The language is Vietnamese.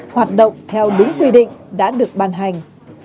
hoạt động theo đúng quy định đã được ban hành